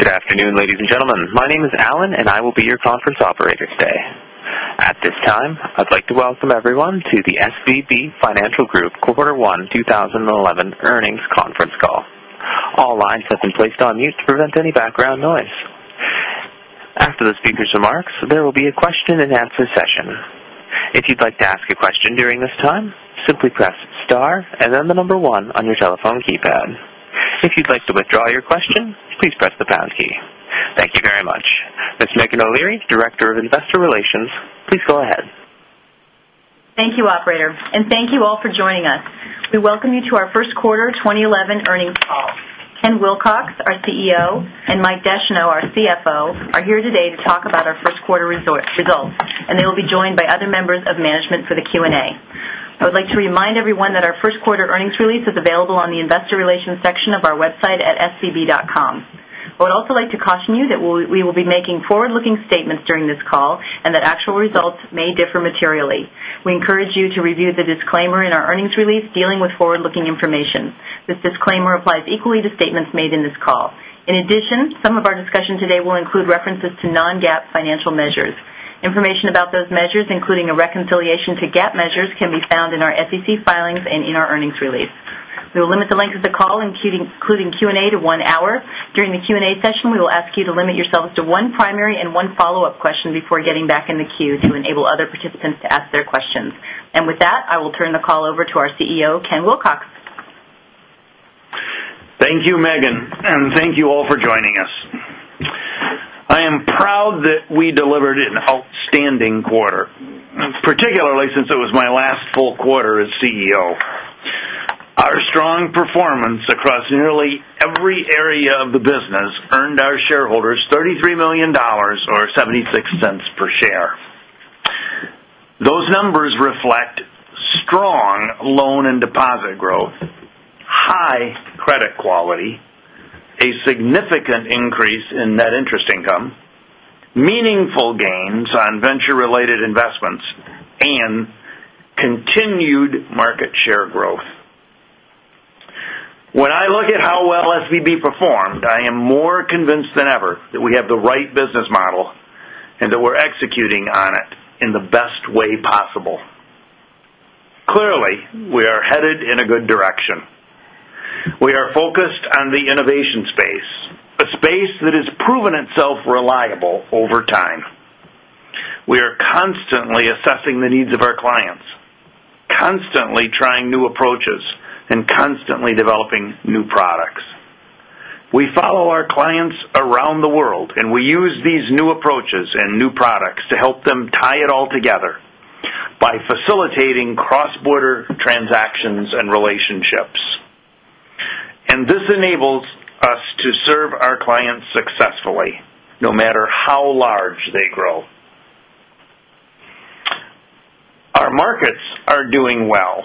Good afternoon, ladies and gentlemen. My name is Allen, and I will be your conference operator today. At this time, I'd like to welcome everyone to the SVB Financial Group Quarter One 2011 earnings conference call. All lines have been placed on mute to prevent any background noise. After the speaker's remarks, there will be a question and answer session. If you'd like to ask a question during this time, simply press star and then the number one on your telephone keypad. If you'd like to withdraw your question, please press the pound key. Thank you very much. Ms. Meghan O'Leary, Director of Investor Relations, please go ahead. Thank you, Operator, and thank you all for joining us. We welcome you to our first quarter 2011 earnings call. Ken Wilcox, our CEO, and Mike Descheneaux, our CFO, are here today to talk about our first quarter results, and they will be joined by other members of management for the Q&A. I would like to remind everyone that our first quarter earnings release is available on the Investor Relations section of our website at svb.com. I would also like to caution you that we will be making forward-looking statements during this call and that actual results may differ materially. We encourage you to review the disclaimer in our earnings release dealing with forward-looking information. This disclaimer applies equally to statements made in this call. In addition, some of our discussion today will include references to non-GAAP financial measures. Information about those measures, including a reconciliation to GAAP measures, can be found in our SEC filings and in our earnings release. We will limit the length of the call, including Q&A, to one hour. During the Q&A session, we will ask you to limit yourselves to one primary and one follow-up question before getting back in the queue to enable other participants to ask their questions. With that, I will turn the call over to our CEO, Ken Wilcox. Thank you, Meghan, and thank you all for joining us. I am proud that we delivered an outstanding quarter, particularly since it was my last full quarter as CEO. Our strong performance across nearly every area of the business earned our shareholders $33 million or $0.76 per share. Those numbers reflect strong loan and deposit growth, high credit quality, a significant increase in net interest income, meaningful gains on venture-related investments, and continued market share growth. When I look at how well SVB Financial performed, I am more convinced than ever that we have the right business model and that we're executing on it in the best way possible. Clearly, we are headed in a good direction. We are focused on the innovation space, a space that has proven itself reliable over time. We are constantly assessing the needs of our clients, constantly trying new approaches, and constantly developing new products. We follow our clients around the world, and we use these new approaches and new products to help them tie it all together by facilitating cross-border transactions and relationships. This enables us to serve our clients successfully, no matter how large they grow. Our markets are doing well.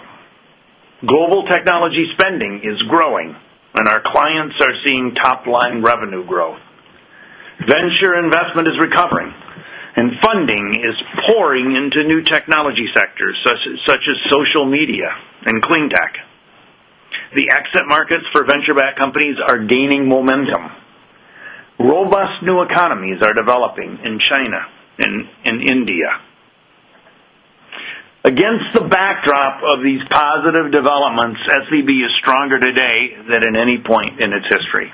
Global technology spending is growing, and our clients are seeing top-line revenue growth. Venture investment is recovering, and funding is pouring into new technology sectors such as social media and clean tech. The exit markets for venture-backed companies are gaining momentum. Robust new economies are developing in China and in India. Against the backdrop of these positive developments, SVB is stronger today than at any point in its history.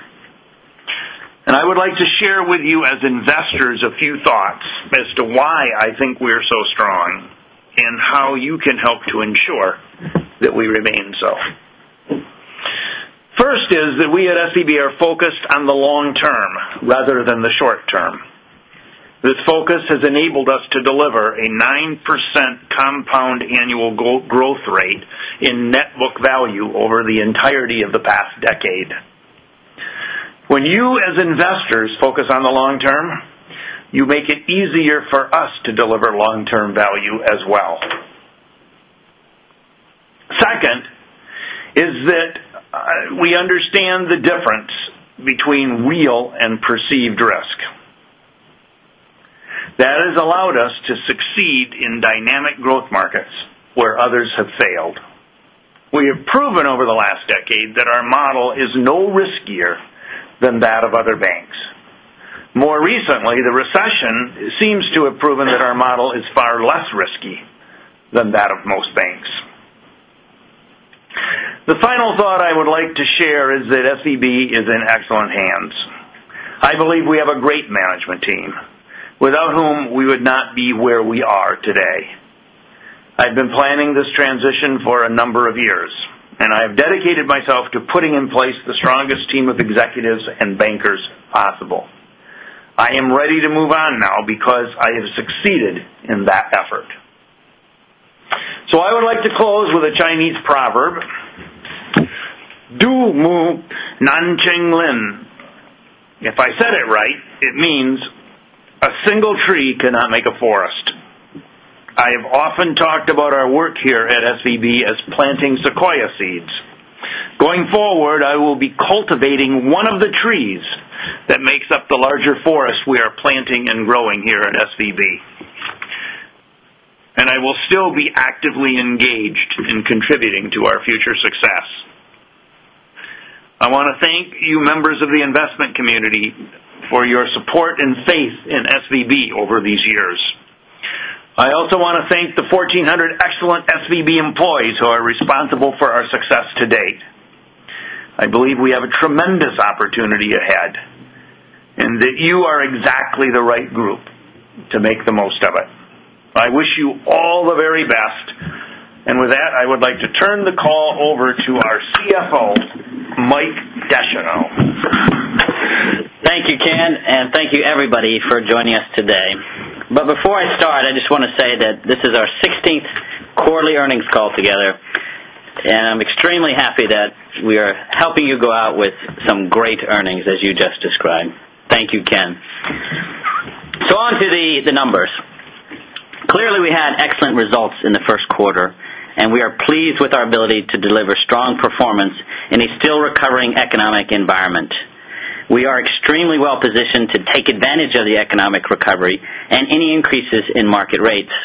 I would like to share with you as investors a few thoughts as to why I think we are so strong and how you can help to ensure that we remain so. First is that we at SVB are focused on the long term rather than the short term. This focus has enabled us to deliver a 9% compound annual growth rate in net book value over the entirety of the past decade. When you as investors focus on the long term, you make it easier for us to deliver long-term value as well. Second is that we understand the difference between real and perceived risk. That has allowed us to succeed in dynamic growth markets where others have failed. We have proven over the last decade that our model is no riskier than that of other banks. More recently, the recession seems to have proven that our model is far less risky than that of most banks. The final thought I would like to share is that SVB is in excellent hands. I believe we have a great management team, without whom we would not be where we are today. I've been planning this transition for a number of years, and I have dedicated myself to putting in place the strongest team of executives and bankers possible. I am ready to move on now because I have succeeded in that effort. I would like to close with a Chinese proverb: 杜母南青林. If I said it right, it means a single tree cannot make a forest. I have often talked about our work here at SVB as planting sequoia seeds. Going forward, I will be cultivating one of the trees that makes up the larger forest we are planting and growing here at SVB, and I will still be actively engaged in contributing to our future success. I want to thank you, members of the investment community, for your support and faith in SVB over these years. I also want to thank the 1,400 excellent SVB employees who are responsible for our success to date. I believe we have a tremendous opportunity ahead and that you are exactly the right group to make the most of it. I wish you all the very best. With that, I would like to turn the call over to our CFO, Mike Descheneaux. Thank you, Ken, and thank you, everybody, for joining us today. Before I start, I just want to say that this is our 16th quarterly earnings call together, and I'm extremely happy that we are helping you go out with some great earnings as you just described. Thank you, Ken. On to the numbers. Clearly, we had excellent results in the first quarter, and we are pleased with our ability to deliver strong performance in a still recovering economic environment. We are extremely well positioned to take advantage of the economic recovery and any increases in market rates.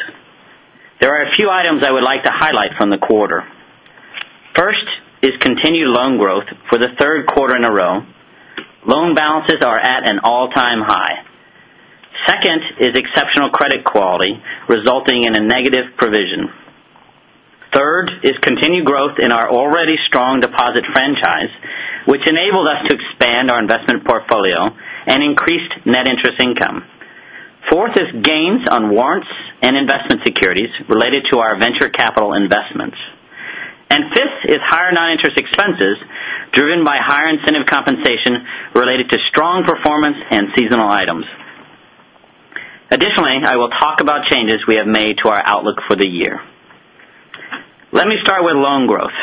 There are a few items I would like to highlight from the quarter. First is continued loan growth for the third quarter in a row. Loan balances are at an all-time high. Second is exceptional credit quality resulting in a negative provision. Third is continued growth in our already strong deposit franchise, which enabled us to expand our investment portfolio and increased net interest income. Fourth is gains on warrants and investment securities related to our venture capital investments. Fifth is higher non-interest expenses driven by higher incentive compensation related to strong performance and seasonal items. Additionally, I will talk about changes we have made to our outlook for the year. Let me start with loan growth.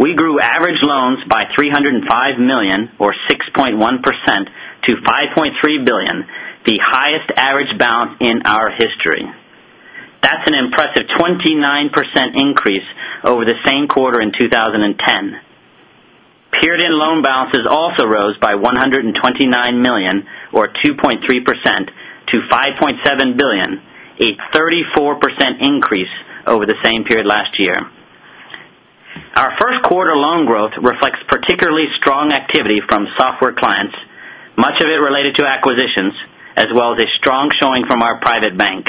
We grew average loans by $305 million, or 6.1%, to $5.3 billion, the highest average balance in our history. That's an impressive 29% increase over the same quarter in 2010. Period-end loan balances also rose by $129 million, or 2.3%, to $5.7 billion, a 34% increase over the same period last year. Our first quarter loan growth reflects particularly strong activity from software clients, much of it related to acquisitions, as well as a strong showing from our private bank.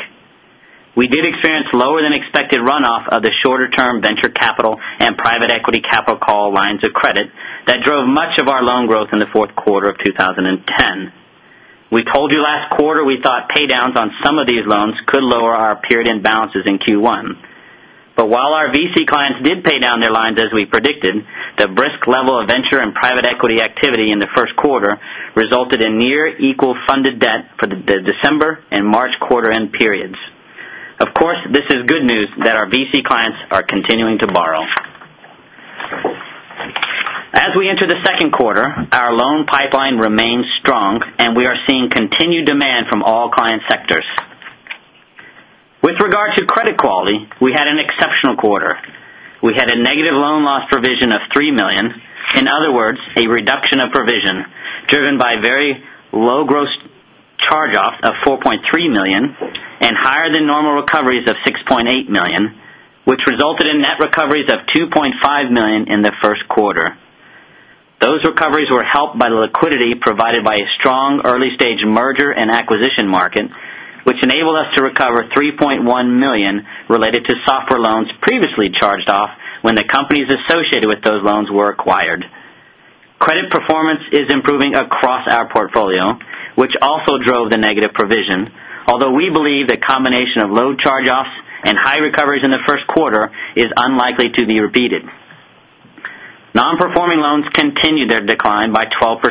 We did experience lower than expected runoff of the shorter-term venture capital and private equity capital call lines of credit that drove much of our loan growth in the fourth quarter of 2010. We told you last quarter we thought paydowns on some of these loans could lower our period-end balances in Q1. While our VC clients did pay down their lines as we predicted, the brisk level of venture and private equity activity in the first quarter resulted in near equal funded debt for the December and March quarter-end periods. Of course, this is good news that our VC clients are continuing to borrow. As we enter the second quarter, our loan pipeline remains strong, and we are seeing continued demand from all client sectors. With regard to credit quality, we had an exceptional quarter. We had a negative loan loss provision of $3 million. In other words, a reduction of provision driven by a very low gross charge-off of $4.3 million and higher than normal recoveries of $6.8 million, which resulted in net recoveries of $2.5 million in the first quarter. Those recoveries were helped by the liquidity provided by a strong early-stage M&A market, which enabled us to recover $3.1 million related to software loans previously charged off when the companies associated with those loans were acquired. Credit performance is improving across our portfolio, which also drove the negative provision, although we believe the combination of low charge-offs and high recoveries in the first quarter is unlikely to be repeated. Non-performing loans continued their decline by 12%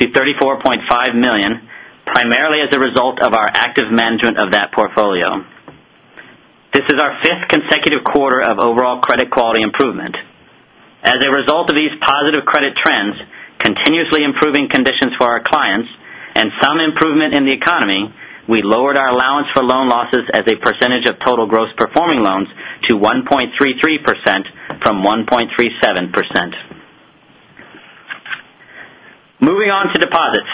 to $34.5 million, primarily as a result of our active management of that portfolio. This is our fifth consecutive quarter of overall credit quality improvement. As a result of these positive credit trends, continuously improving conditions for our clients, and some improvement in the economy, we lowered our allowance for loan losses as a percentage of total gross performing loans to 1.33% from 1.37%. Moving on to deposits,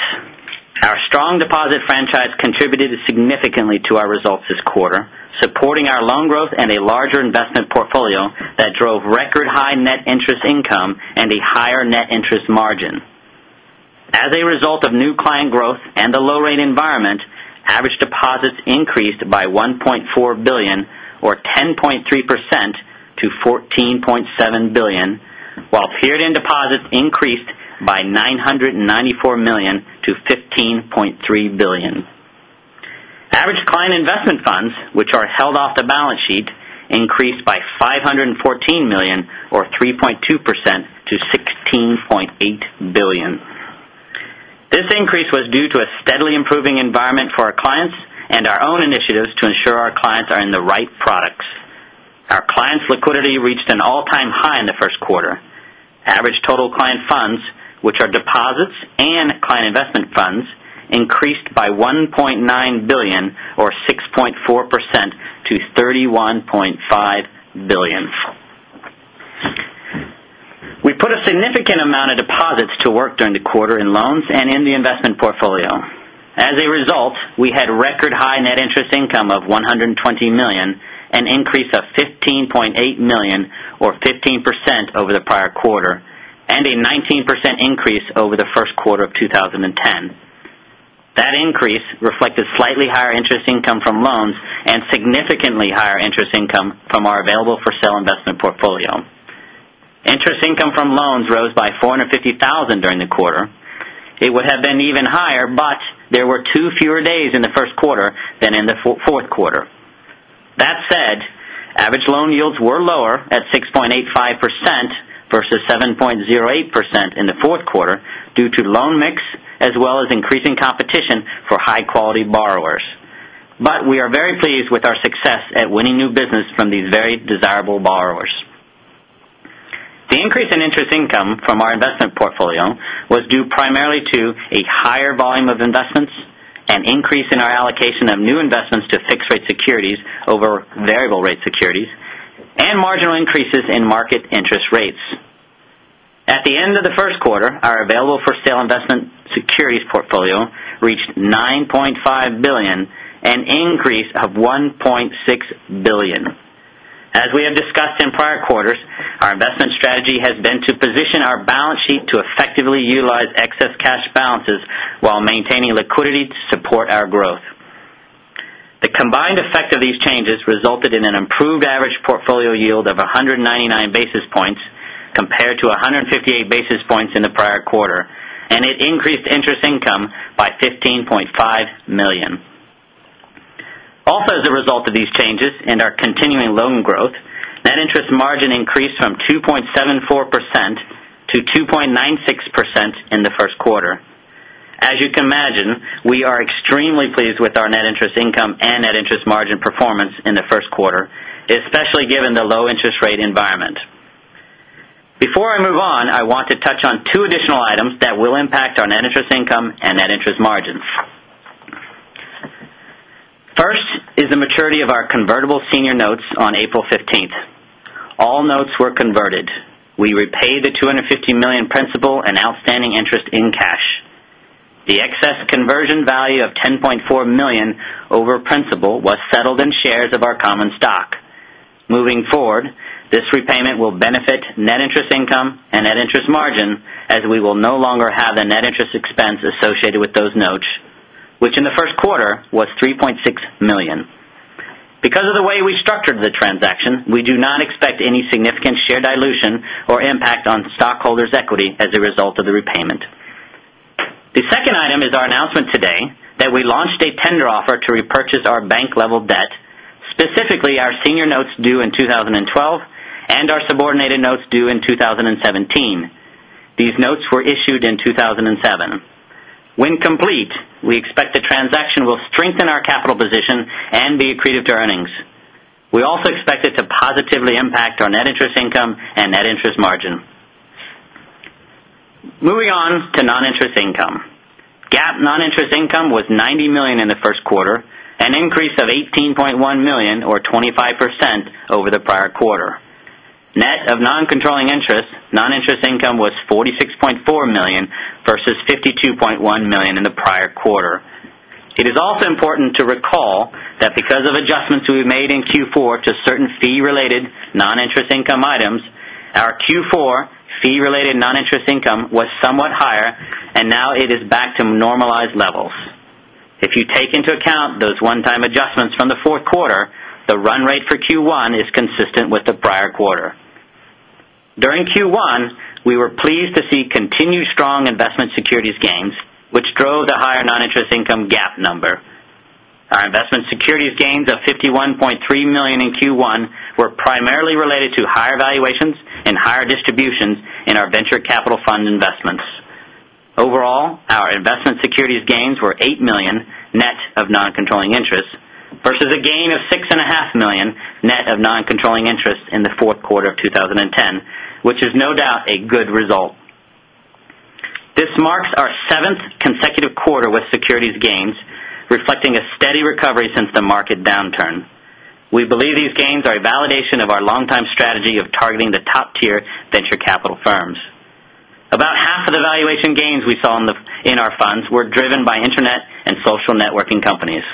our strong deposit franchise contributed significantly to our results this quarter, supporting our loan growth and a larger investment portfolio that drove record-high net interest income and a higher net interest margin. As a result of new client growth and a low-rate environment, average deposits increased by $1.4 billion, or 10.3% to $14.7 billion, while period-end deposits increased by $994 million-$15.3 billion. Average client investment funds, which are held off the balance sheet, increased by $514 million, or 3.2% to $16.8 billion. This increase was due to a steadily improving environment for our clients and our own initiatives to ensure our clients are in the right products. Our clients' liquidity reached an all-time high in the first quarter. Average total client funds, which are deposits and client investment funds, increased by $1.9 billion, or 6.4% to $31.5 billion. We put a significant amount of deposits to work during the quarter in loans and in the investment portfolio. As a result, we had record-high net interest income of $120 million, an increase of $15.8 million, or 15% over the prior quarter, and a 19% increase over the first quarter of 2010. That increase reflected slightly higher interest income from loans and significantly higher interest income from our available for sale investment portfolio. Interest income from loans rose by $450,000 during the quarter. It would have been even higher, but there were two fewer days in the first quarter than in the fourth quarter. That said, average loan yields were lower at 6.85% vs 7.08% in the fourth quarter due to loan mix as well as increasing competition for high-quality borrowers. We are very pleased with our success at winning new business from these very desirable borrowers. The increase in interest income from our investment portfolio was due primarily to a higher volume of investments, an increase in our allocation of new investments to fixed-rate securities over variable-rate securities, and marginal increases in market interest rates. At the end of the first quarter, our available for sale investment securities portfolio reached $9.5 billion, an increase of $1.6 billion. As we have discussed in prior quarters, our investment strategy has been to position our balance sheet to effectively utilize excess cash balances while maintaining liquidity to support our growth. The combined effect of these changes resulted in an improved average portfolio yield of 199 basis points compared to 158 basis points in the prior quarter, and it increased interest income by $15.5 million. Also, as a result of these changes and our continuing loan growth, net interest margin increased from 2.74%-2.96% in the first quarter. As you can imagine, we are extremely pleased with our net interest income and net interest margin performance in the first quarter, especially given the low interest rate environment. Before I move on, I want to touch on two additional items that will impact our net interest income and net interest margins. First is the maturity of our convertible senior notes on April 15. All notes were converted. We repaid the $250 million principal and outstanding interest in cash. The excess conversion value of $10.4 million over principal was settled in shares of our common stock. Moving forward, this repayment will benefit net interest income and net interest margin as we will no longer have a net interest expense associated with those notes, which in the first quarter was $3.6 million. Because of the way we structured the transaction, we do not expect any significant share dilution or impact on stockholders' equity as a result of the repayment. The second item is our announcement today that we launched a tender offer to repurchase our bank-level debt, specifically our senior notes due in 2012 and our subordinated notes due in 2017. These notes were issued in 2007. When complete, we expect the transaction will strengthen our capital position and be accretive to earnings. We also expect it to positively impact our net interest income and net interest margin. Moving on to non-interest income. GAAP non-interest income was $90 million in the first quarter, an increase of $18.1 million, or 25% over the prior quarter. Net of non-controlling interest, non-interest income was $46.4 million vs $52.1 million in the prior quarter. It is also important to recall that because of adjustments we made in Q4 to certain fee-related non-interest income items, our Q4 fee-related non-interest income was somewhat higher, and now it is back to normalized levels. If you take into account those one-time adjustments from the fourth quarter, the run rate for Q1 is consistent with the prior quarter. During Q1, we were pleased to see continued strong investment securities gains, which drove the higher non-interest income GAAP number. Our investment securities gains of $51.3 million in Q1 were primarily related to higher valuations and higher distributions in our venture capital fund investments. Overall, our investment securities gains were $8 million net of non-controlling interest versus a gain of $6.5 million net of non-controlling interest in the fourth quarter of 2010, which is no doubt a good result. This marks our seventh consecutive quarter with securities gains, reflecting a steady recovery since the market downturn. We believe these gains are a validation of our long-time strategy of targeting the top-tier venture capital firms. About half of the valuation gains we saw in our funds were driven by internet and social networking companies.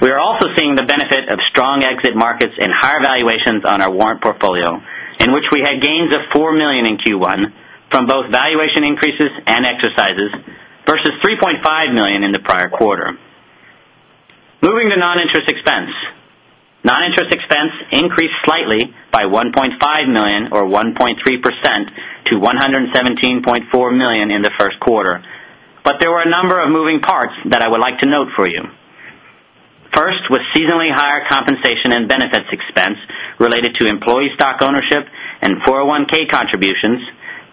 We are also seeing the benefit of strong exit markets and higher valuations on our warrant portfolio, in which we had gains of $4 million in Q1 from both valuation increases and exercises versus $3.5 million in the prior quarter. Moving to non-interest expense, non-interest expense increased slightly by $1.5 million, or 1.3%, to $117.4 million in the first quarter. There were a number of moving parts that I would like to note for you. First was seasonally higher compensation and benefits expense related to employee stock ownership and 401(k) contributions,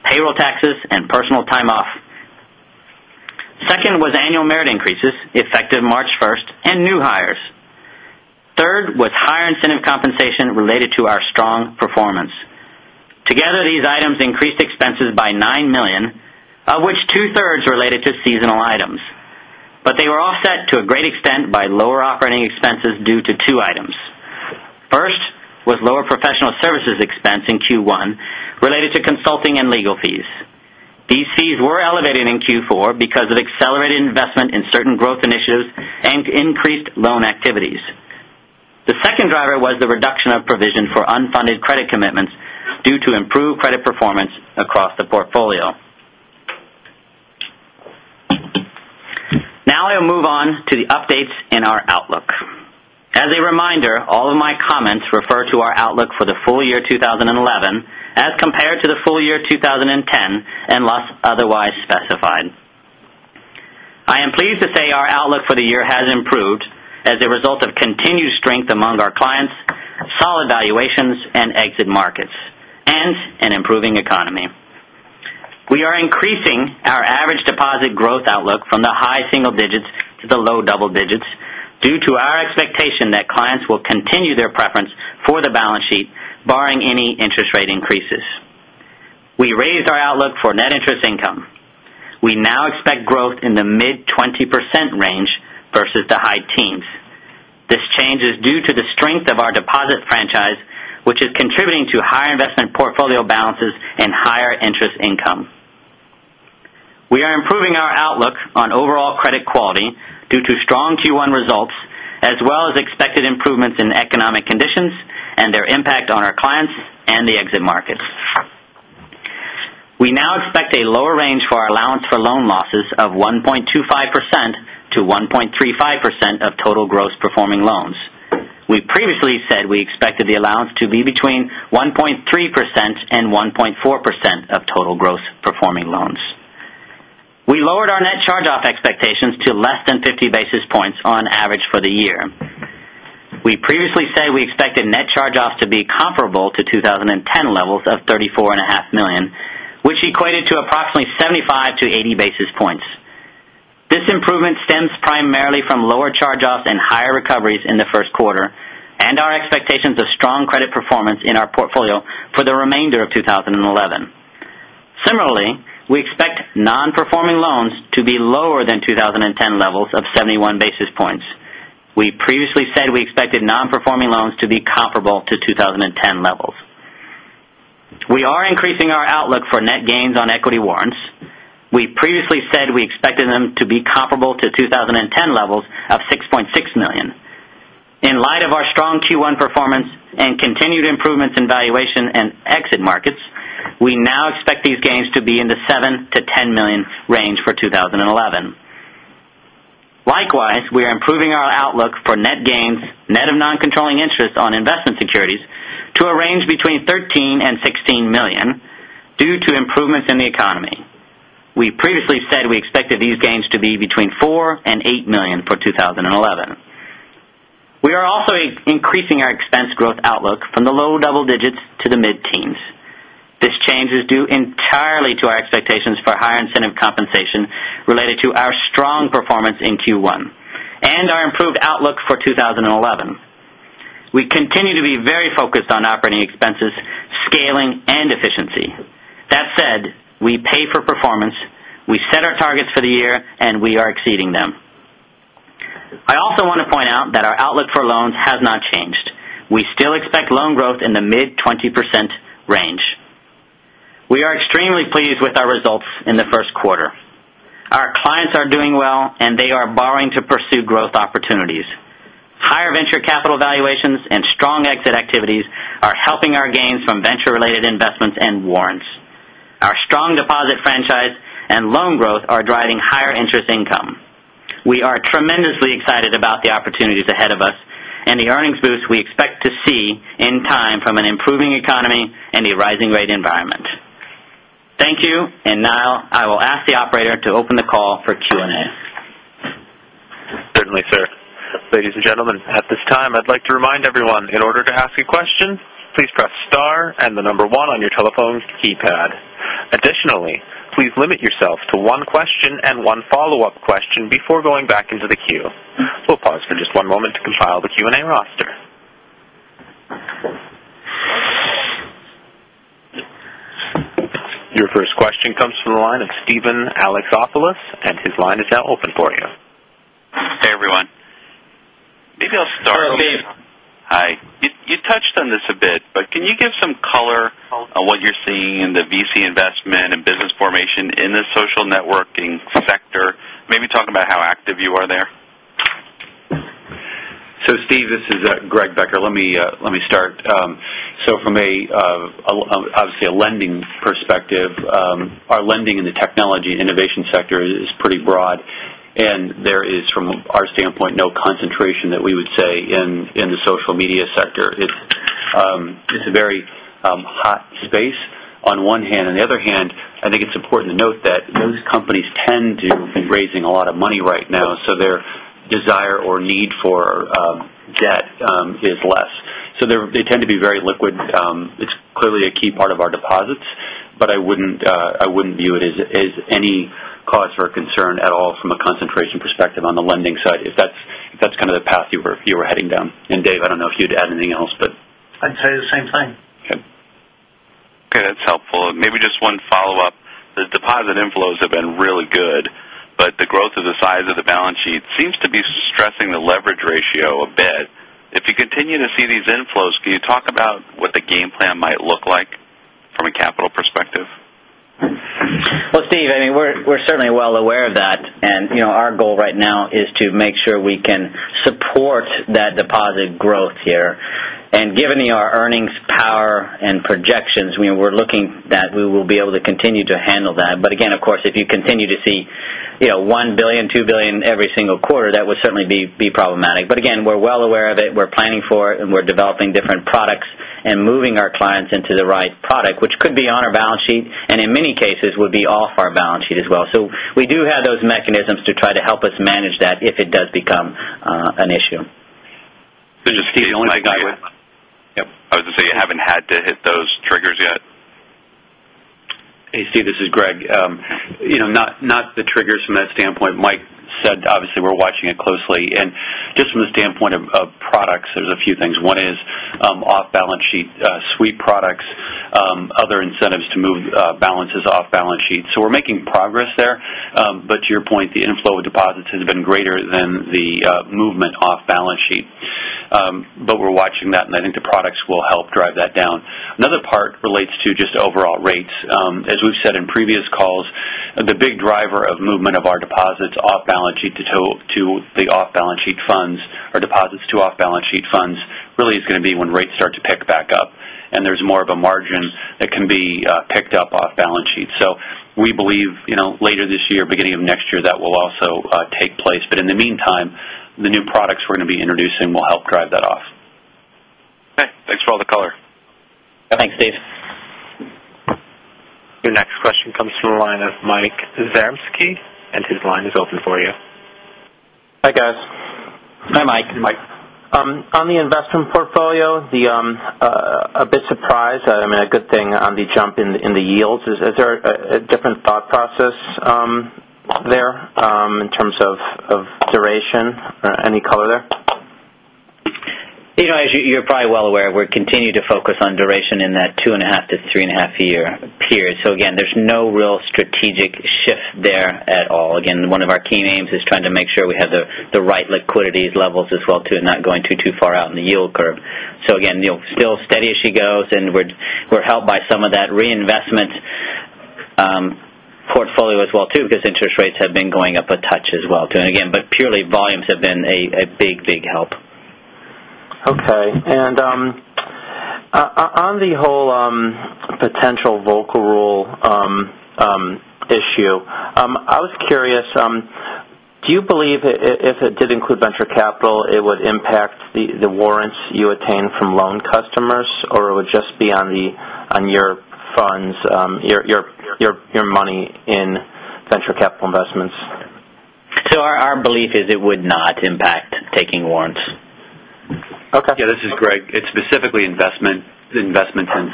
payroll taxes, and personal time off. Second was annual merit increases effective March 1 and new hires. Third was higher incentive compensation related to our strong performance. Together, these items increased expenses by $9 million, of which 2/3 related to seasonal items. They were offset to a great extent by lower operating expenses due to two items. First was lower professional services expense in Q1 related to consulting and legal fees. These fees were elevated in Q4 because of accelerated investment in certain growth initiatives and increased loan activities. The second driver was the reduction of provision for unfunded credit commitments due to improved credit performance across the portfolio. Now I will move on to the updates in our outlook. As a reminder, all of my comments refer to our outlook for the full year 2011 as compared to the full year 2010 unless otherwise specified. I am pleased to say our outlook for the year has improved as a result of continued strength among our clients, solid valuations, and exit markets, and an improving economy. We are increasing our average deposit growth outlook from the high single digits to the low double digits due to our expectation that clients will continue their preference for the balance sheet, barring any interest rate increases. We raised our outlook for net interest income. We now expect growth in the mid-20% range versus the high teens. This change is due to the strength of our deposit franchise, which is contributing to higher investment portfolio balances and higher interest income. We are improving our outlook on overall credit quality due to strong Q1 results, as well as expected improvements in economic conditions and their impact on our clients and the exit market. We now expect a lower range for our allowance for loan losses of 1.25%-1.35% of total gross performing loans. We previously said we expected the allowance to be between 1.3% and 1.4% of total gross performing loans. We lowered our net charge-off expectations to less than 50 basis points on average for the year. We previously said we expected net charge-offs to be comparable to 2010 levels of $34.5 million, which equated to approximately 75 basis points-80 basis points. This improvement stems primarily from lower charge-offs and higher recoveries in the first quarter and our expectations of strong credit performance in our portfolio for the remainder of 2011. Similarly, we expect non-performing loans to be lower than 2010 levels of 71 basis points. We previously said we expected non-performing loans to be comparable to 2010 levels. We are increasing our outlook for net gains on equity warrants. We previously said we expected them to be comparable to 2010 levels of $6.6 million. In light of our strong Q1 performance and continued improvements in valuation and exit markets, we now expect these gains to be in the $7million-$10 million range for 2011. Likewise, we are improving our outlook for net gains, net of non-controlling interest on investment securities to a range between $13 million and $16 million due to improvements in the economy. We previously said we expected these gains to be between $4 million and $8 million for 2011. We are also increasing our expense growth outlook from the low double digits to the mid-teens. This change is due entirely to our expectations for higher incentive compensation related to our strong performance in Q1 and our improved outlook for 2011. We continue to be very focused on operating expenses, scaling, and efficiency. That said, we pay for performance, we set our targets for the year, and we are exceeding them. I also want to point out that our outlook for loans has not changed. We still expect loan growth in the mid-20% range. We are extremely pleased with our results in the first quarter. Our clients are doing well, and they are borrowing to pursue growth opportunities. Higher venture capital valuations and strong exit activities are helping our gains from venture-related investments and warrants. Our strong deposit franchise and loan growth are driving higher interest income. We are tremendously excited about the opportunities ahead of us and the earnings boost we expect to see in time from an improving economy and a rising rate environment. Thank you, and now I will ask the operator to open the call for Q&A. Certainly, sir. Ladies and gentlemen, at this time, I'd like to remind everyone, in order to ask a question, please press star and the number one on your telephone keypad. Additionally, please limit yourself to one question and one follow-up question before going back into the queue. We'll pause for just one moment to compile the Q&A roster. Your first question comes from the line of Steven Alexopoulos, and his line is now open for you. Hey, everyone. Maybe I'll start. Hi. You touched on this a bit, but can you give some color on what you're seeing in the VC investment and business formation in the social networking sector? Maybe talk about how active you are there. Steve, this is Greg Becker. Let me start. From a lending perspective, our lending in the technology and innovation sector is pretty broad, and there is, from our standpoint, no concentration that we would say in the social media sector. It's a very hot space on one hand. On the other hand, I think it's important to note that those companies tend to be raising a lot of money right now, so their desire or need for debt is less. They tend to be very liquid. It's clearly a key part of our deposits, but I wouldn't view it as any cause for concern at all from a concentration perspective on the lending side if that's kind of the path you were heading down. Dave, I don't know if you'd add anything else. I'd say the same thing. Okay, that's helpful. Maybe just one follow-up. The deposit inflows have been really good, but the growth of the size of the balance sheet seems to be stressing the leverage ratio a bit. If you continue to see these inflows, can you talk about what the game plan might look like from a capital perspective? We are certainly well aware of that, and our goal right now is to make sure we can support that deposit growth here. Given our earnings power and projections, we're looking that we will be able to continue to handle that. Of course, if you continue to see $1 billion, $2 billion every single quarter, that would certainly be problematic. We are well aware of it, we are planning for it, and we are developing different products and moving our clients into the right product, which could be on our balance sheet and in many cases would be off our balance sheet as well. We do have those mechanisms to try to help us manage that if it does become an issue. Steve, the only thing I would. Yep. I was going to say you haven't had to hit those triggers yet. Hey, Steve, this is Greg. Not the triggers from that standpoint. Mike said obviously we're watching it closely. Just from the standpoint of products, there's a few things. One is off balance sheet sweep products, other incentives to move balances off balance sheets. We're making progress there. To your point, the inflow of deposits has been greater than the movement off balance sheet. We're watching that, and I think the products will help drive that down. Another part relates to just overall rates. As we've said in previous calls, the big driver of movement of our deposits off balance sheet to the off balance sheet funds, our deposits to off balance sheet funds really is going to be when rates start to pick back up, and there's more of a margin that can be picked up off balance sheets. We believe later this year, beginning of next year, that will also take place. In the meantime, the new products we're going to be introducing will help drive that off. Okay, thanks for all the color. Thanks, Steve. Your next question comes from the line of Mike Zaremski, and his line is open for you. Hi, Greg. Hi, Mike. Mike. On the investment portfolio, I'm a bit surprised. I mean, a good thing on the jump in the yields. Is there a different thought process there in terms of duration or any color there? As you're probably well aware, we're continuing to focus on duration in that two and a half to three and a half year period. There's no real strategic shift there at all. One of our key names is trying to make sure we have the right liquidity levels as well too and not going too far out in the yield curve. Still steady as she goes, and we're helped by some of that reinvestment portfolio as well too because interest rates have been going up a touch as well too. Purely volumes have been a big, big help. Okay. On the whole potential Volcker Rule issue, I was curious, do you believe if it did include venture capital, it would impact the warrants you attain from loan customers, or it would just be on your funds, your money in venture capital investments? Our belief is it would not impact taking warrants. Okay. Yeah, this is Greg. It's specifically investments in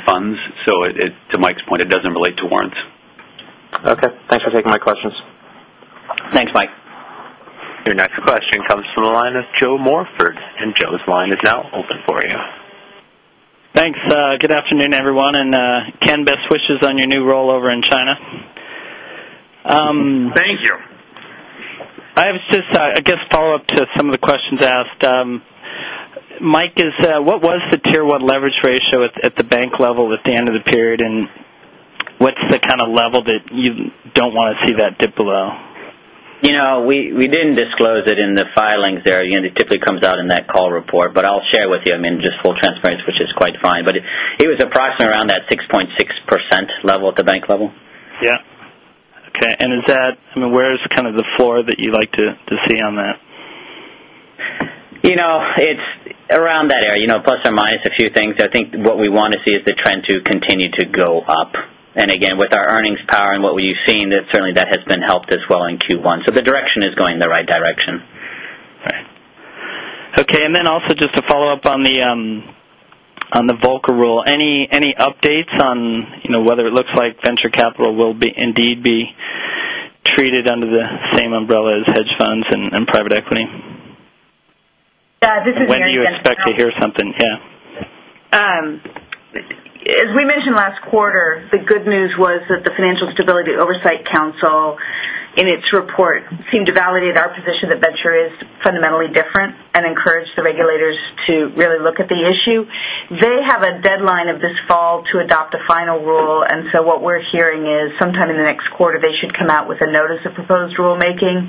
funds. To Mike's point, it doesn't relate to warrants. Okay, thanks for taking my questions. Thanks, Mike. Your next question comes from the line of Joe Morford, and Joe's line is now open for you. Thanks. Good afternoon, everyone, and Ken, best wishes on your new role over in China. Thank you. I have just a follow-up to some of the questions asked. Mike, what was the tier one leverage ratio at the bank level at the end of the period, and what's the kind of level that you don't want to see that dip below? We didn't disclose it in the filings there. You know, it typically comes out in that call report, but I'll share with you, I mean, just full transparency, which is quite fine. It was approximately around that 6.6% level at the bank level. Okay. Is that, I mean, where's kind of the floor that you like to see on that? It's around that area, ± a few things. I think what we want to see is the trend to continue to go up. With our earnings power and what we've seen, that certainly has been helped as well in Q1. The direction is going in the right direction. Okay. Just to follow up on the Volcker Rule, any updates on whether it looks like venture capital will indeed be treated under the same umbrella as hedge funds and private equity? Yeah, this is your next question. When do you expect to hear something? Yeah. As we mentioned last quarter, the good news was that the Financial Stability Oversight Council, in its report, seemed to validate our position that venture is fundamentally different and encouraged the regulators to really look at the issue. They have a deadline of this fall to adopt a final rule. What we're hearing is sometime in the next quarter, they should come out with a notice of proposed rulemaking.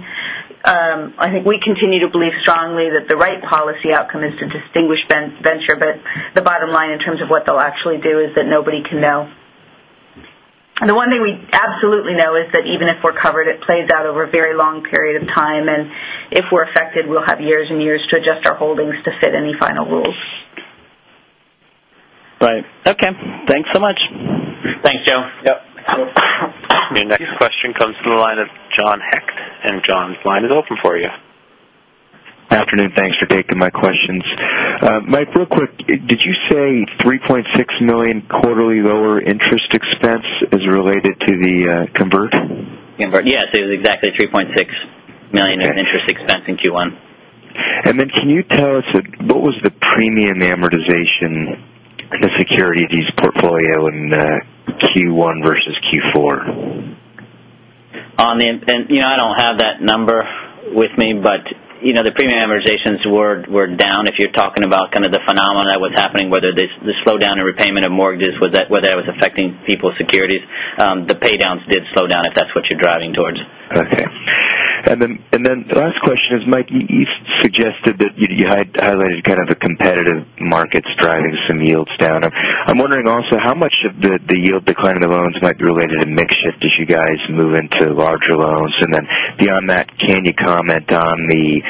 I think we continue to believe strongly that the right policy outcome is to distinguish venture, but the bottom line in terms of what they'll actually do is that nobody can know. The one thing we absolutely know is that even if we're covered, it plays out over a very long period of time. If we're affected, we'll have years and years to adjust our holdings to fit any final rules. Right. Okay, thanks so much. Thanks, Joe. Yeah. Your next question comes from the line of John Hecht. John's line is open for you. Good afternoon. Thanks for taking my questions. Mike, did you say $3.6 million quarterly lower interest expense as related to the converter? Yeah, it was exactly $3.6 million in interest expense in Q1. Can you tell us what was the premium amortization of the securities portfolio in Q1 vs Q4? I don't have that number with me, but the premium amortizations were down if you're talking about kind of the phenomenon that was happening, whether the slowdown in repayment of mortgages, whether it was affecting people's securities. The paydowns did slow down if that's what you're driving towards. Okay. The last question is, Mike, you suggested that you had highlighted kind of the competitive markets driving some yields down. I'm wondering also how much of the yield decline in the loans might be related to the mix shift as you guys move into larger loans. Beyond that, can you comment on the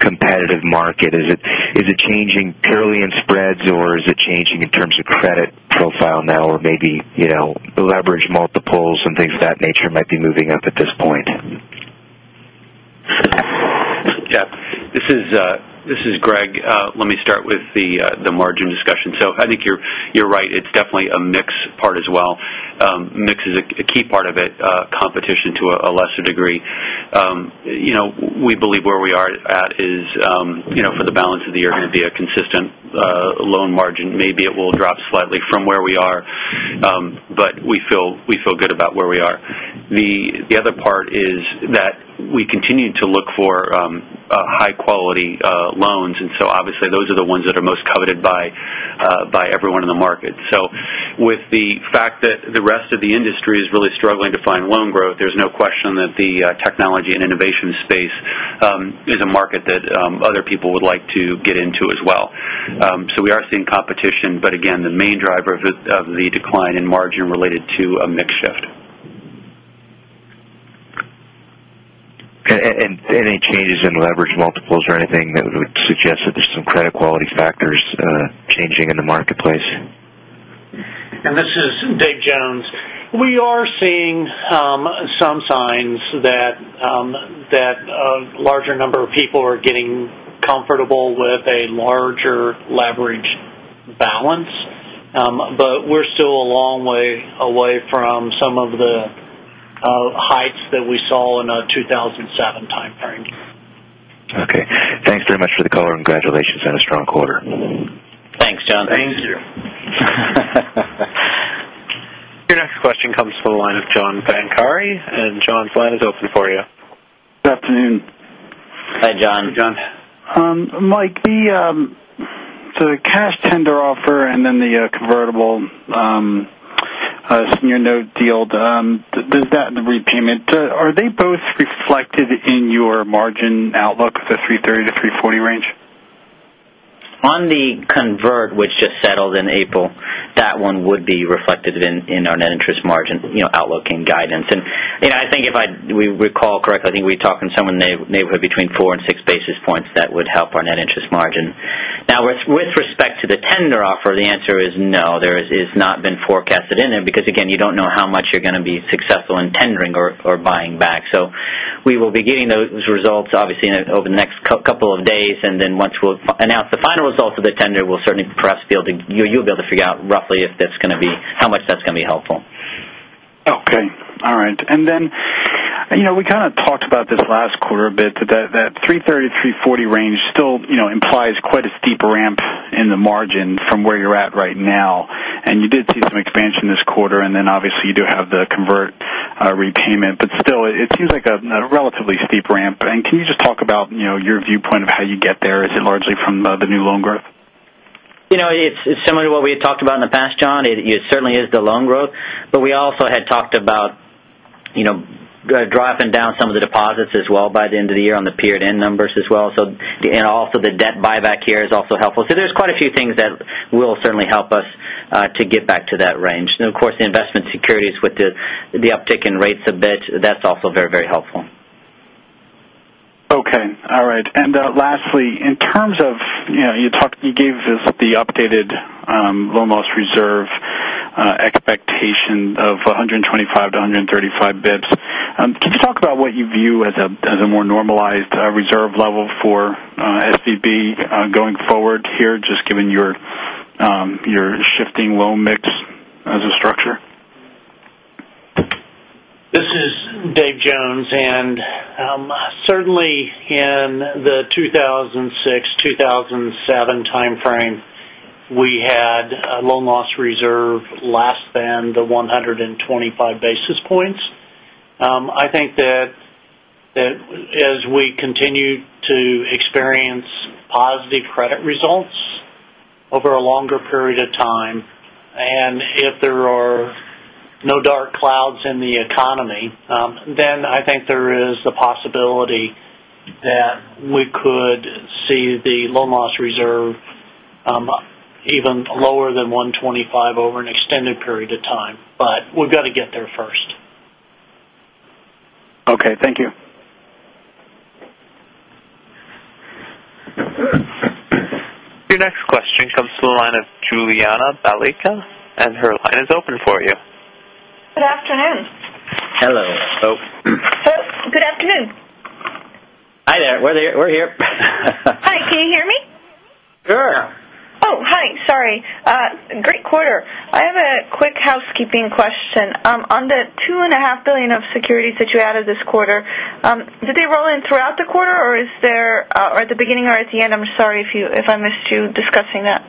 competitive market? Is it changing purely in spreads, or is it changing in terms of credit profile now, or maybe you know the leverage multiples and things of that nature might be moving up at this point? Yeah. This is Greg. Let me start with the margin discussion. I think you're right. It's definitely a mix part as well. Mix is a key part of it, competition to a lesser degree. You know we believe where we are at is, you know for the balance of the year, going to be a consistent loan margin. Maybe it will drop slightly from where we are, but we feel good about where we are. The other part is that we continue to look for high-quality loans. Obviously, those are the ones that are most coveted by everyone in the market. With the fact that the rest of the industry is really struggling to find loan growth, there's no question that the technology and innovation space is a market that other people would like to get into as well. We are seeing competition, but again, the main driver of the decline in margin related to a mix shift. Are there any changes in leverage multiples or anything that would suggest that there's some credit quality factors changing in the marketplace? This is Dave Jones. We are seeing some signs that a larger number of people are getting comfortable with a larger leverage balance. We're still a long way away from some of the heights that we saw in a 2007 timeframe. Okay, thanks very much for the call and congratulations on a strong quarter. Thanks, John. Thank you. Your next question comes from the line of John Pancari, and John's line is open for you. Good afternoon. Hi, John. Hi, John. Mike, the cash tender offer and then the convertible note deal, there's that repayment. Are they both reflected in your margin outlook for the $330-$340 range? On the convert, which just settled in April, that one would be reflected in our net interest margin outlook and guidance. I think if we recall correctly, we talked in some neighborhood between 4 and 6 basis points that would help our net interest margin. With respect to the tender offer, the answer is no. It's not been forecasted in there because, again, you don't know how much you're going to be successful in tendering or buying back. We will be getting those results, obviously, over the next couple of days. Once we announce the final results of the tender, you'll certainly perhaps be able to figure out roughly if that's going to be, how much that's going to be helpful. All right. You know we kind of talked about this last quarter a bit, that $330 to $340 range still implies quite a steep ramp in the margin from where you're at right now. You did see some expansion this quarter, and obviously you do have the convert repayment. It seems like a relatively steep ramp. Can you just talk about your viewpoint of how you get there? Is it largely from the new loan growth? You know. It's similar to what we had talked about in the past, John. It certainly is the loan growth. We also had talked about dropping down some of the deposits as well by the end of the year on the period end numbers as well. The debt buyback here is also helpful. There are quite a few things that will certainly help us to get back to that range. Of course, the investment securities with the uptick in rates a bit, that's also very, very helpful. All right. Lastly, in terms of you gave the updated loan loss reserve expectation of 125 basis points-135 basis points, can you talk about what you view as a more normalized reserve level for SVB going forward here, just given your shifting loan mix as a structure? This is Dave Jones. Certainly, in the 2006-2007 timeframe, we had a loan loss reserve less than 125 basis points. I think that as we continue to experience positive credit results over a longer period of time, and if there are no dark clouds in the economy, I think there is the possibility that we could see the loan loss reserve even lower than 125 basis points over an extended period of time. We've got to get there first. Okay, thank you. Your next question comes from the line of Julianna Balicka, and her line is open for you. Good afternoon. Hello. Oh. Good afternoon. Hi there, we're here. Hi, can you hear me? Sure. Oh, hi. Sorry. Great quarter. I have a quick housekeeping question. On the $2.5 billion of securities that you added this quarter, did they roll in throughout the quarter, or is that at the beginning or at the end? I'm sorry if I missed you discussing that.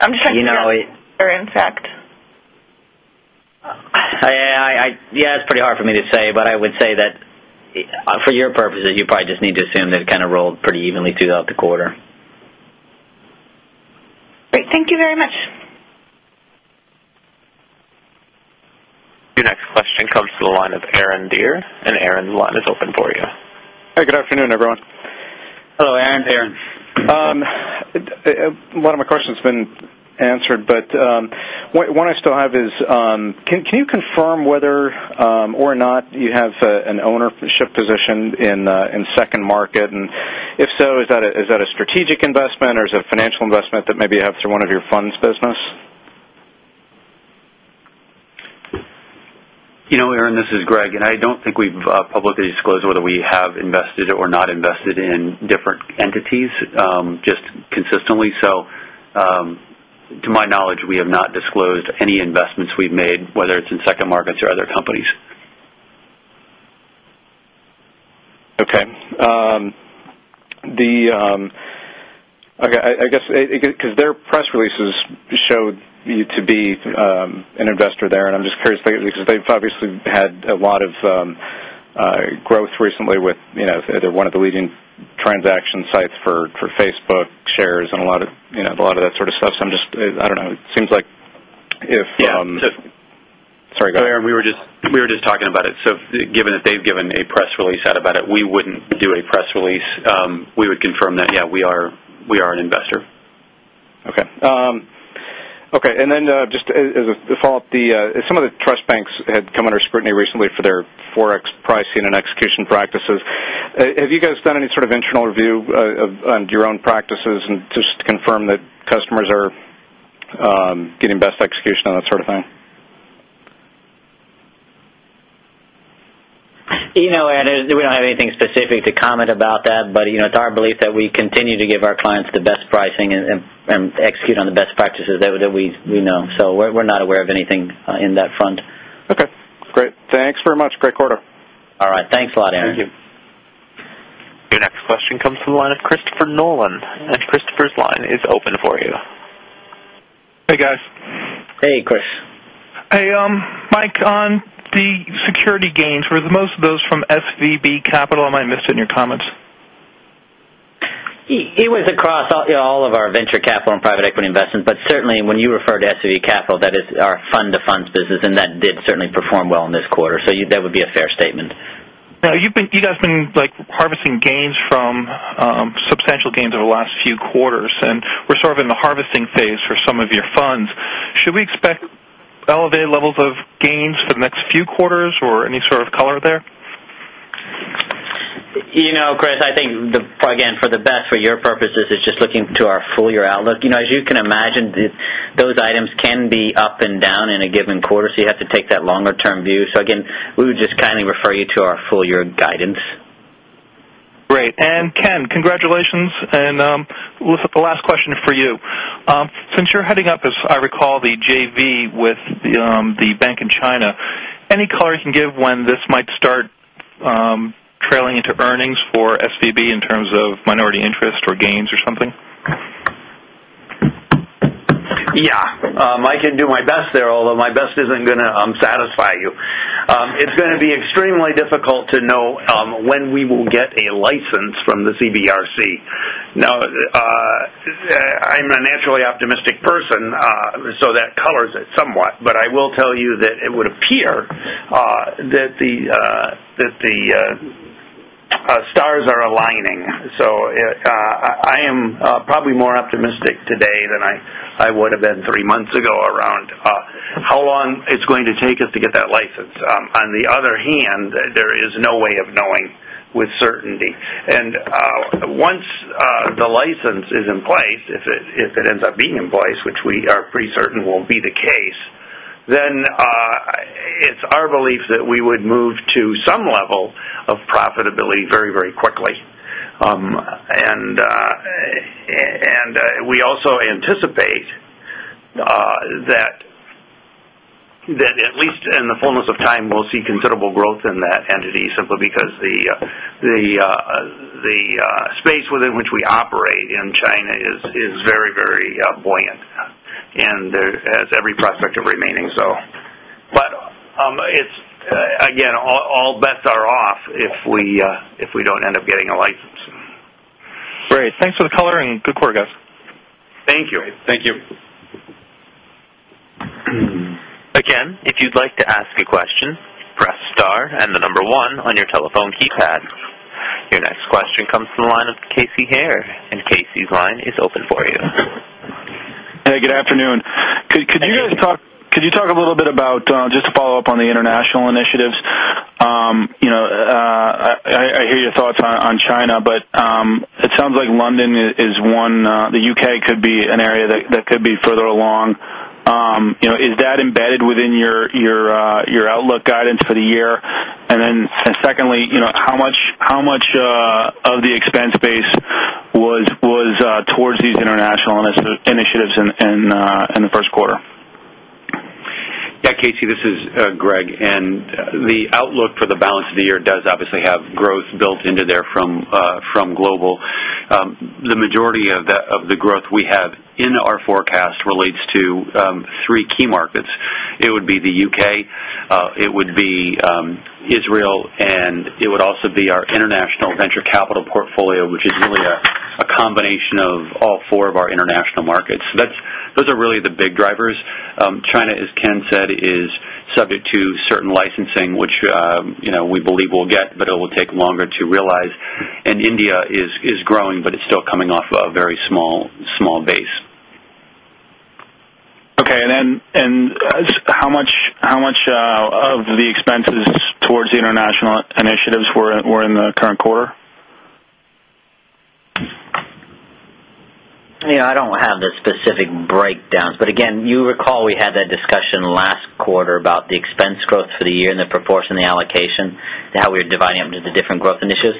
I'm just trying to figure out what they were, in fact. Yeah, it's pretty hard for me to say, but I would say that for your purposes, you probably just need to assume that it kind of rolled pretty evenly throughout the quarter. Great. Thank you very much. Your next question comes from the line of Aaron Deer, and Aaron's line is open for you. Hi. Good afternoon, everyone. Hello, Aaron. One of my questions has been answered, but one I still have is, can you confirm whether or not you have an ownership position in Second Market? If so, is that a strategic investment or is it a financial investment that maybe you have through one of your funds business? Aaron, this is Greg. I don't think we've publicly disclosed whether we have invested or not invested in different entities just consistently. To my knowledge, we have not disclosed any investments we've made, whether it's in second markets or other companies. Okay. I guess because their press releases showed you to be an investor there, and I'm just curious because they've obviously had a lot of growth recently with one of the leading transaction sites for Facebook shares and a lot of that sort of stuff. It seems like if. Yeah. Sorry, go ahead. Aaron, we were just talking about it. Given that they've given a press release out about it, we wouldn't do a press release. We would confirm that, yeah, we are an investor. Okay. Just as a follow-up, some of the trust banks had come under scrutiny recently for their Forex pricing and execution practices. Have you guys done any sort of internal review on your own practices just to confirm that customers are getting best execution and that sort of thing? We don't have anything specific to comment about that, but it's our belief that we continue to give our clients the best pricing and execute on the best practices that we know. We're not aware of anything in that front. Okay. Great. Thanks very much. Great quarter. All right. Thanks a lot, Aaron. Thank you. Your next question comes from the line of Christopher Nolan, and Christopher's line is open for you. Hey, guys. Hey, Chris. Hey, Mike. On the security gains, were most of those from SVB Capital? I might have missed it in your comments. He was across all of our venture capital and private equity investments, but certainly, when you refer to SVB Capital, that is our fund-to-funds business, and that did certainly perform well in this quarter. That would be a fair statement. You guys have been harvesting substantial gains over the last few quarters, and we're sort of in the harvesting phase for some of your funds. Should we expect elevated levels of gains for the next few quarters or any sort of color there? Chris, I think, again, for the best, for your purposes, is just looking to our full-year outlook. As you can imagine, those items can be up and down in a given quarter, so you have to take that longer-term view. We would just kindly refer you to our full-year guidance. Great. Ken, congratulations. The last question for you. Since you're heading up, as I recall, the JV with the bank in China, any color you can give when this might start trailing into earnings for SVB in terms of minority interest or gains or something? I can do my best there, although my best isn't going to satisfy you. It's going to be extremely difficult to know when we will get a license from the CBRC. I'm a naturally optimistic person, so that colors it somewhat. I will tell you that it would appear that the stars are aligning. I am probably more optimistic today than I would have been three months ago around how long it's going to take us to get that license. On the other hand, there is no way of knowing with certainty. Once the license is in place, if it ends up being in place, which we are pretty certain will be the case, it's our belief that we would move to some level of profitability very, very quickly. We also anticipate that at least in the fullness of time, we'll see considerable growth in that entity simply because the space within which we operate in China is very, very buoyant and has every prospect of remaining so. All bets are off if we don't end up getting a license. Great. Thanks for the color and good quarter, guys. Thank you. Thank you. Again, if you'd like to ask a question, press star and the number one on your telephone keypad. Your next question comes from the line of Casey Haire, and Casey's line is open for you. Good afternoon. Could you guys talk a little bit about just follow-up on the international initiatives? I hear your thoughts on China, but it sounds like London is one. The U.K. could be an area that could be further along. Is that embedded within your outlook guidance for the year? Secondly, how much of the expense base was towards these international initiatives in the first quarter? Yeah, Casey, this is Greg. The outlook for the balance of the year does obviously have growth built into there from global. The majority of the growth we have in our forecast relates to three key markets. It would be the U.K., it would be Israel, and it would also be our international venture capital portfolio, which is really a combination of all four of our international markets. Those are really the big drivers. China, as Ken said, is subject to certain licensing, which we believe we'll get, but it will take longer to realize. India is growing, but it's still coming off a very small base. Okay, how much of the expenses towards the international initiatives were in the current quarter? I don't have the specific breakdowns. You recall we had that discussion last quarter about the expense growth for the year and the proportion of the allocation and how we were dividing up into the different growth initiatives.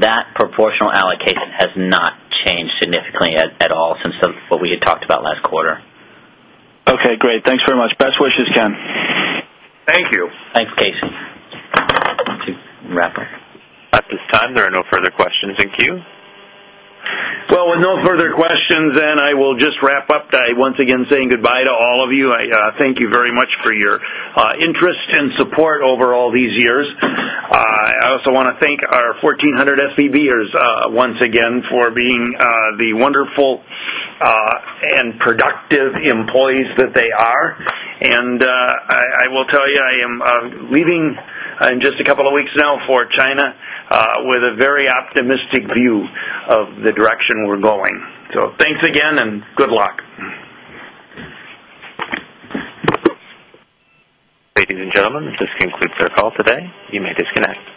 That proportional allocation has not changed significantly at all since what we had talked about last quarter. Okay, great. Thanks very much. Best wishes, Ken. Thank you. Thanks, Casey. I'll wrap up. At this time, there are no further questions in queue. Well if there are no further questions, I will just wrap up by once again saying goodbye to all of you. I thank you very much for your interest and support over all these years. I also want to thank our 1,400 SVBers once again for being the wonderful and productive employees that they are. I will tell you, I am leaving in just a couple of weeks now for China with a very optimistic view of the direction we're going. Thanks again and good luck. Ladies and gentlemen, this concludes our call today. You may disconnect.